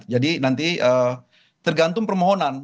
jadi nanti tergantung permohonan